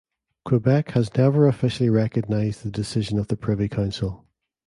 Quebec has never officially recognised the decision of the Privy Council.